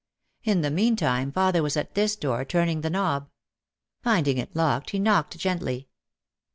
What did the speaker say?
In the meantime father was at this door turning the knob. Finding it locked he knocked gently.